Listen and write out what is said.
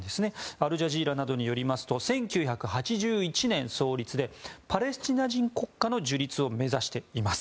アルジャジーラなどによりますと１９８１年創立でパレスチナ人国家の樹立を目指しています。